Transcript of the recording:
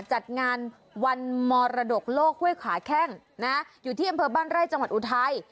จัดงานวันมรดกโลกห้วยขาแข้งนะอยู่ที่อำเภอบ้านไร่จังหวัดอุทัย